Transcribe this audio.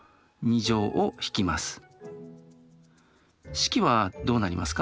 式はどうなりますか？